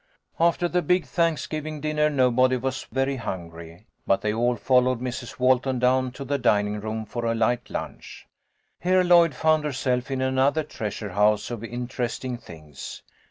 After the big Thanksgiving dinner nobody was very hungry, but they all followed Mrs. Walton down to the dining room for a light lunch. Here Lloyd found herself in another treasure house of interesting things.